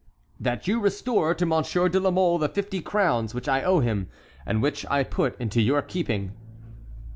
"That you restore to Monsieur de la Mole the fifty crowns which I owe him, and which I put into your keeping."